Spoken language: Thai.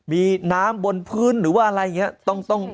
มีน้ำบนพื้นหรือว่าอะไรอย่างนี้